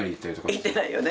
行ってないよね。